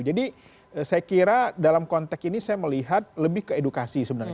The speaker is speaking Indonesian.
jadi saya kira dalam konteks ini saya melihat lebih ke edukasi sebenarnya